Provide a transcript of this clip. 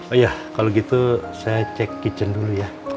oh iya kalau gitu saya cek kitchen dulu ya